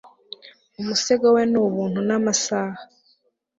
umusego we ni ubuntu namasaha